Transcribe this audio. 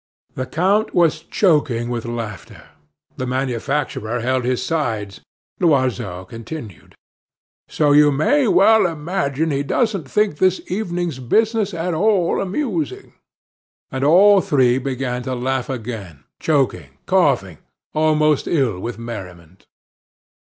The count was choking with laughter. The manufacturer held his sides. Loiseau continued: "So you may well imagine he doesn't think this evening's business at all amusing." And all three began to laugh again, choking, coughing, almost ill with merriment.